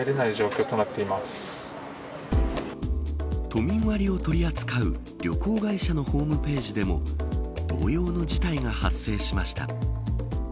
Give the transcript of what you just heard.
都民割を取り扱う旅行会社のホームページでも同様の事態が発生しました。